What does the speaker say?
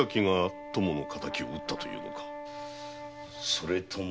それとも。